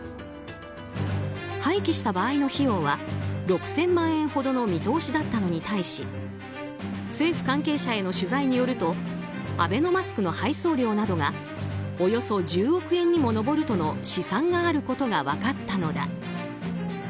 廃棄した場合の費用は６０００万円ほどの見通しだったのに対し政府関係者への取材によるとアベノマスクの配送料などがおよそ１０億円にも上るとの試算があることが分かったのだ。